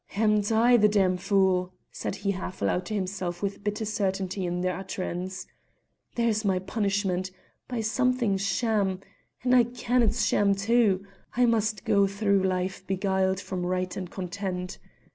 "Amn't I the damned fool?" said he half aloud to himself with bitter certainty in the utterance. "There's my punishment: by something sham and I ken it's sham too I must go through life beguiled from right and content.